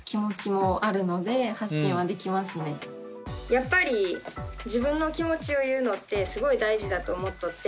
やっぱり自分の気持ちを言うのってすごい大事だと思っとってちょぱは。